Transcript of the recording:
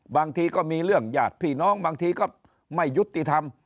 บางทีก็มีเรื่องญาติพี่น้องบางทีก็ไม่ยุติธรรม